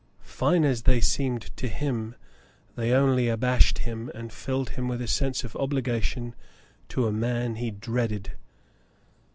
Fine as they seemed to him, they only abashed him and filled him with a sense of obligation to a man he dreaded.